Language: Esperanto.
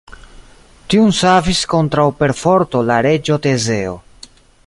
Tiun savis kontraŭ perforto la reĝo Tezeo.